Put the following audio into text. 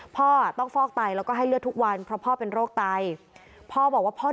พ่อต้องฟอกไตแล้วก็ให้เลือดทุกวันเพราะพ่อเป็นโรคไตพ่อบอกว่าพ่อ